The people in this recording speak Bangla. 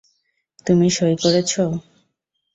তুমি সঁই করেছ?